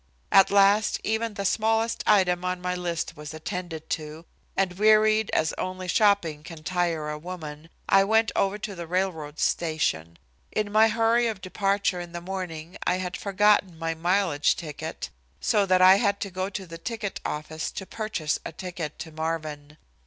At last even the smallest item on my list was attended to, and, wearied as only shopping can tire a woman, I went over to the railroad station. In my hurry of departure in the morning I had forgotten my mileage ticket, so that I had to go to the ticket office to purchase a ticket to Marvin.